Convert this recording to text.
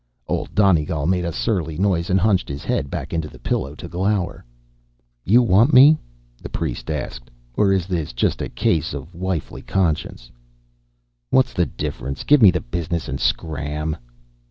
Old Donegal made a surly noise and hunched his head back into the pillow to glower. "You want me?" the priest asked. "Or is this just a case of wifely conscience?" "What's the difference? Give me the business and scram."